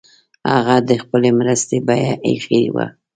هغه د خپلي مرستي بیه ایښې وه.